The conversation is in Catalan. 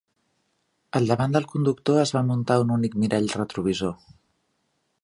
Al davant del conductor es va muntar un únic mirall retrovisor.